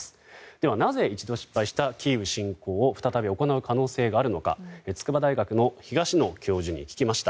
では、なぜ一度失敗したキーウ侵攻を行う必要があるのか筑波大学の東野教授に聞きました。